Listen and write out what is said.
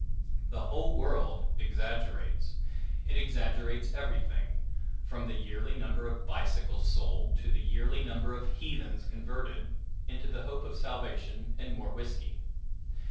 The whole world exaggerates. It exaggerates everything, from the yearly number of bicycles sold to the yearly number of heathens converted into the hope of salvation and more whiskey.